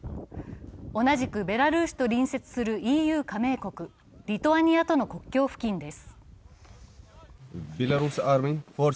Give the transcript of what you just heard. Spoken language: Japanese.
同じくベラルーシと隣接するＥＵ加盟国リトアニアとの国境付近です。